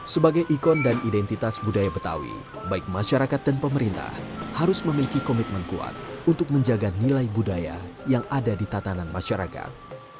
sebagai ikon dan identitas budaya betawi baik masyarakat dan pemerintah harus memiliki komitmen kuat untuk menjaga nilai budaya yang ada di tatanan masyarakat